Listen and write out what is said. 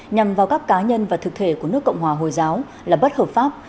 nhằm vào các cá nhân và thực thể của nước cộng hòa hồi giáo là bất hợp pháp